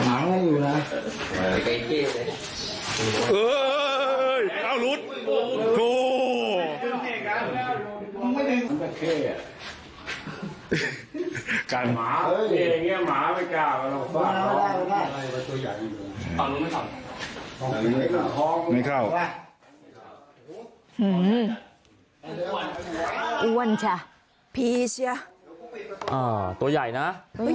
อ้าวไม่กล้าวนะล่ะบ้าง